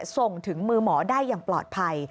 ส่งถึงมือหมอได้อย่างปลอดภัย